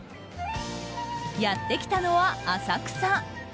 やってきたのは浅草。